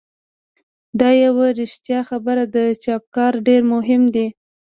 دا یوه رښتیا خبره ده چې افکار ډېر مهم دي.